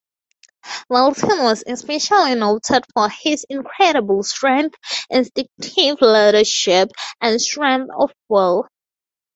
Valten was especially noted for his incredible strength, instinctive leadership, and strength of will.